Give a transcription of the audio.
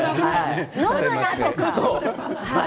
飲むなとか。